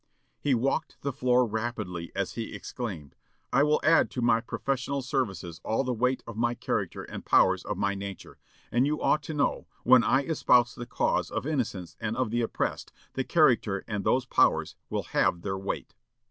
He walked the floor rapidly, as he exclaimed, "I will add to my professional services all the weight of my character and powers of my nature; and you ought to know, when I espouse the cause of innocence and of the oppressed, that character and those powers will have their weight."